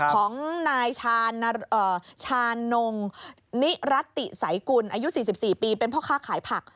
ของนายชานงนิรัติสายกุลอายุ๔๔ปีเป็นพ่อค้าขายผัก